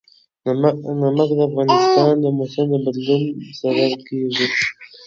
نمک د افغانستان د موسم د بدلون سبب کېږي.